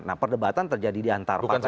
nah perdebatan terjadi diantara partai politik